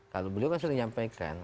kalau beliau kan sudah menyampaikan